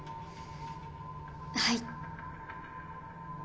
はい。